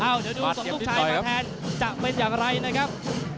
เดี๋ยวดูส่งลูกชายมาแทนจะเป็นอย่างไรนะครับ